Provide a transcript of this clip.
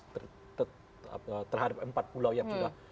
terhadap empat pulau yang sudah